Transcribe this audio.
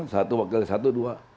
satu wakil satu dua